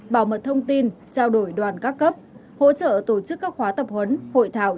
bảo mật thông tin trao đổi đoàn các cấp hỗ trợ tổ chức các khóa tập huấn hội thảo